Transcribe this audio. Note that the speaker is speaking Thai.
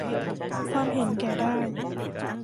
ความเห็นแก่ได้